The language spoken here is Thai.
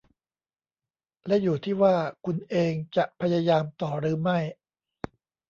และอยู่ที่ว่าคุณเองจะพยายามต่อหรือไม่